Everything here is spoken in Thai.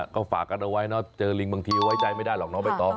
ก็ฝากกันเอาไว้นะเจอลิงบางทีไว้ใจไม่ได้หรอกนะ